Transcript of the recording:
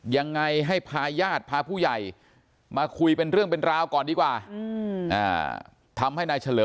ยังไงให้พาญาติพาผู้ใหญ่มาคุยเป็นเรื่องเป็นราวก่อนดีกว่า